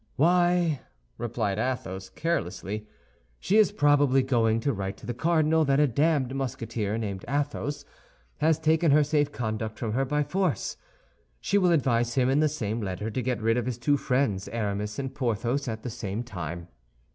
"Why," replied Athos, carelessly, "she is probably going to write to the cardinal that a damned Musketeer, named Athos, has taken her safe conduct from her by force; she will advise him in the same letter to get rid of his two friends, Aramis and Porthos, at the same time.